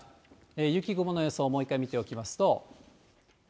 雪雲の予想をもう一回見ておきますと。